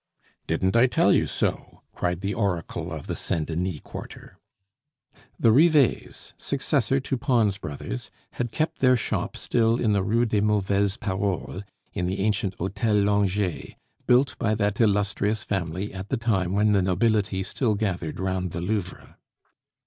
"Didn't I tell you so?" cried the oracle of the Saint Denis quarter. The Rivets, successor to Pons Brothers, had kept their shop still in the Rue des Mauvaises Paroles, in the ancient Hotel Langeais, built by that illustrious family at the time when the nobility still gathered round the Louvre.